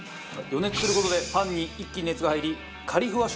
予熱する事でパンに一気に熱が入りカリふわ